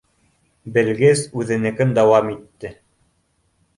— Белгес үҙенекен дауам итте.